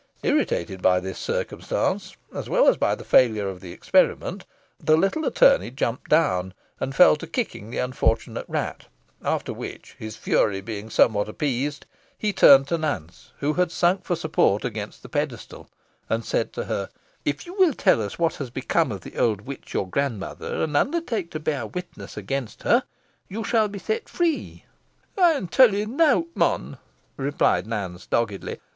Irritated by this circumstance, as well as by the failure of the experiment, the little attorney jumped down and fell to kicking the unfortunate rat, after which, his fury being somewhat appeased, he turned to Nance, who had sunk for support against the pedestal, and said to her "If you will tell us what has become of the old witch your grandmother, and undertake to bear witness against her, you shall be set free." "Ey'n tell ye nowt, mon," replied Nance, doggedly.